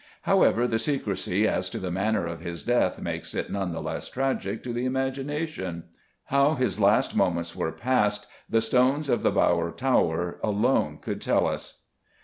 However, the secrecy as to the manner of his death makes it none the less tragic to the imagination; how his last moments were passed the stones of the Bowyer Tower alone could tell us.